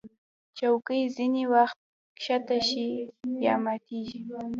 چوکۍ ځینې وخت ښکته شي یا ماتېږي.